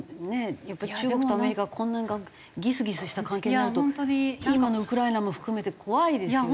やっぱり中国とアメリカがこんなギスギスした関係になると今のウクライナも含めて怖いですよね。